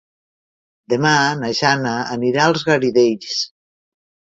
Demà na Jana anirà als Garidells.